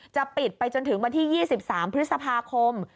จะปิดไปจนถึงวันที่๒๓พฤษภาคม